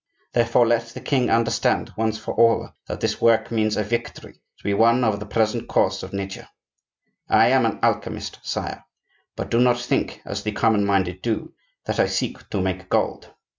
Therefore, let the king understand, once for all, that this work means a victory to be won over the present course of Nature. I am an alchemist, sire. But do not think, as the common minded do, that I seek to make gold.